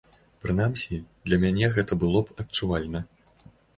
Прынамсі, для мяне гэта было б адчувальна.